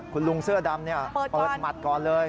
คุณลุงเสื้อดำเนี่ยเริ่มหมัดก่อนเลย